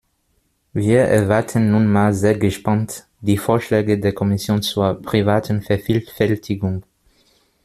Wir erwarten nunmehr sehr gespannt die Vorschläge der Kommission zur privaten Vervielfältigung.